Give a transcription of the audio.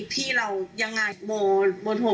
โมโทรไปไม่ได้อยู่แล้วโมเพิ่งเจอคุณแม่ครั้งแรกก็เมื่อคืนเองค่ะ